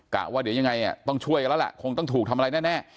ว่าเดี๋ยวยังไงต้องช่วยกันแล้วล่ะคงต้องถูกทำอะไรแน่